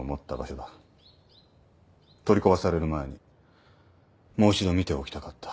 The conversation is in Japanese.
取り壊される前にもう一度見ておきたかった。